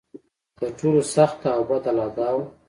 تر ټولو سخته او بده لا دا وه.